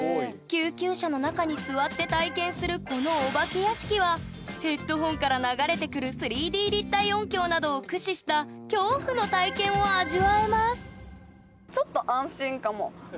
救急車の中に座って体験するこのお化け屋敷はヘッドホンから流れてくる３Ｄ立体音響などを駆使した恐怖の体験を味わえます